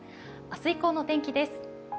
明日以降の天気です。